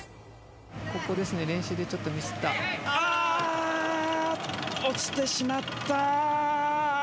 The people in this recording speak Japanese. ここですね練習でちょっとミスった。